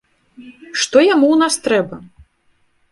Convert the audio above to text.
Што яму ў нас трэба?